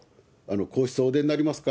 皇室をお出になりますか？